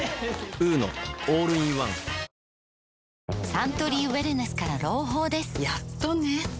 サントリーウエルネスから朗報ですやっとね